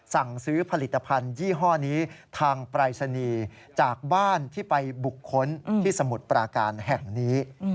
สั่งซื้อผลิตภัณฑ์ยี่ห้อนี้ทางปรายศนีย์จากบ้านที่ไปบุคคลที่สมุทรปราการแห่งนี้